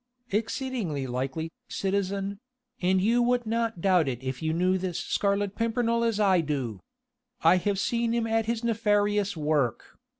"Exceedingly likely, citizen; and you would not doubt it if you knew this Scarlet Pimpernel as I do. I have seen him at his nefarious work.